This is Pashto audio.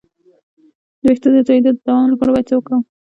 د ویښتو د تویدو د دوام لپاره باید څه وکړم؟